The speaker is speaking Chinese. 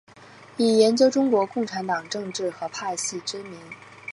以研究中国共产党政治和派系知名。